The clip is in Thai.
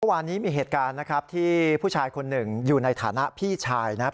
เมื่อวานนี้มีเหตุการณ์นะครับที่ผู้ชายคนหนึ่งอยู่ในฐานะพี่ชายนะครับ